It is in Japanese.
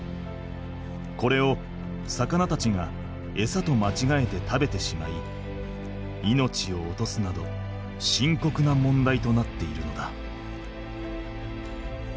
これを魚たちがエサと間違えて食べてしまい命を落とすなどしんこくな問題となっているのだ。